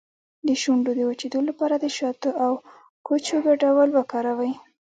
د شونډو د وچیدو لپاره د شاتو او کوچو ګډول وکاروئ